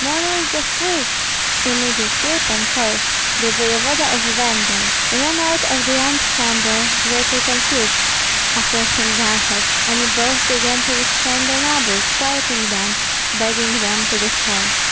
down with the Swedes!" Immediately Pan Korf, the voevoda of Venden, ran out of the antechamber greatly confused; after him Ganhoff; and both began to restrain the nobles, quieting them, begging them to disperse.